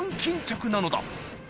巾着なのだ